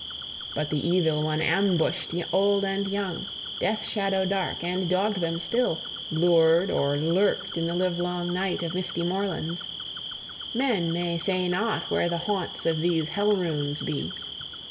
But the evil one ambushed old and young death shadow dark, and dogged them still, lured, or lurked in the livelong night of misty moorlands: men may say not where the haunts of these Hell Runes {2c} be.